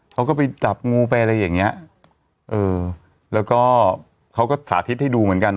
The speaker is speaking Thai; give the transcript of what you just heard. เขาก็ไปจับงูไปอะไรอย่างเงี้ยเออแล้วก็เขาก็สาธิตให้ดูเหมือนกัน